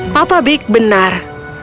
papa big benar